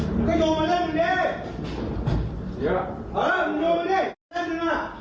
วิ่งไล่ไหน